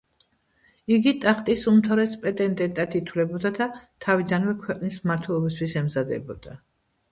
იგი ტახტის უმთავრეს პრეტენდენტად ითვლებოდა და თავიდანვე ქვეყნის მმართველობისთვის ემზადებოდა.